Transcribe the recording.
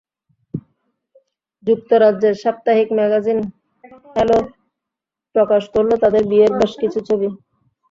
যুক্তরাজ্যের সাপ্তাহিক magazine Hello প্রকাশ করল তাঁদের বিয়ের বেশ কিছু ছবি।